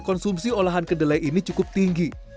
konsumsi olahan kedelai ini cukup tinggi